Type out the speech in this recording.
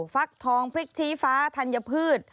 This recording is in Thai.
ฟักทองพริกชี้ฟ้าธัญพืช